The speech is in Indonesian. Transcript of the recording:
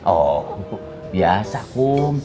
oh biasa kom